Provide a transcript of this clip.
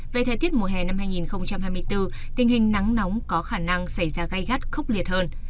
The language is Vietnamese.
về thời tiết mùa hè năm hai nghìn hai mươi bốn tình hình nắng nóng có khả năng xảy ra gai gắt khốc liệt hơn